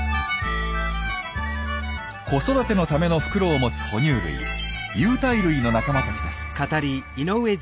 子育てのための袋を持つ哺乳類有袋類の仲間たちです。